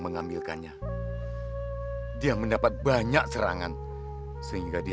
pergi pak pergi pak